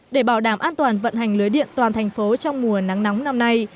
để bảo đảm an toàn vận hành lưới điện toàn thành phố trong mùa nắng nóng năm nay